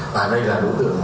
và đây là đối tượng